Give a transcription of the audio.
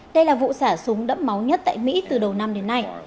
đây là vụ xả súng đẫm máu nhất tại mỹ từ đầu năm đến nay